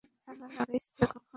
তালা লাগাইসে কখন?